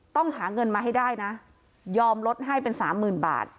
ต้องหาเงินมาให้ได้นะยอมลดให้เป็นสามหมื่นบาท